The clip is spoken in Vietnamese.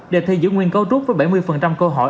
đề thi giữ nguyên cấu trúc với bảy mươi câu hỏi